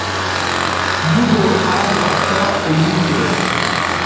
بوٹو، آج، ہفتہ ، وی کے،